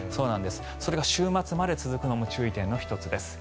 それが週末まで続くのも注意点の１つです。